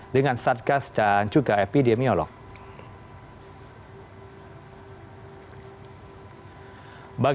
dengan satgas dan juga epidemiolog